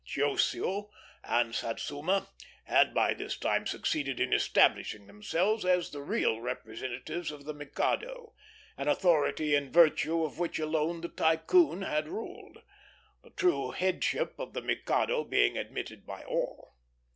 Chiosiu and Satsuma had by this time succeeded in establishing themselves as the real representatives of the Mikado, an authority in virtue of which alone the Tycoon had ruled; the true headship of the Mikado being admitted by all.